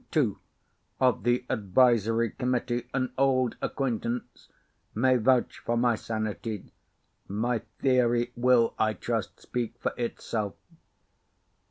RRON II of the Advisory Committee, an old acquaintance, may vouch for my sanity. My theory will, I trust, speak for itself.